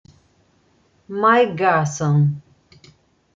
Mike Garson